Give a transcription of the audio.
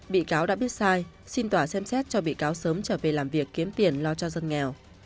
bị cáo đã biết sai xin tòa xem xét cho bị cáo sớm trở về làm việc kiếm tiền lo cho dân nghèo